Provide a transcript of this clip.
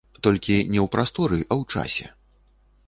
Толькі не ў прасторы, а ў часе.